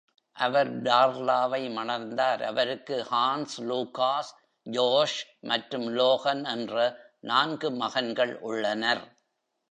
அவர் டார்லாவை மணந்தார்; அவருக்கு ஹான்ஸ், லூகாஸ், ஜோஷ் மற்றும் லோகன் என்ற நான்கு மகன்கள் உள்ளனர்.